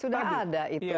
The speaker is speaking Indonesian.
sudah ada itu yang punya